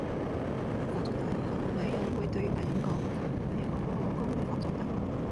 男人發咗達以後，女人會對男人講：哎呀好囉，老公，你發咗達